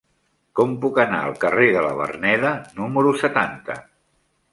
Com puc anar al carrer de la Verneda número setanta?